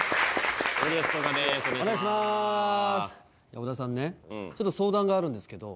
小田さんねちょっと相談があるんですけど。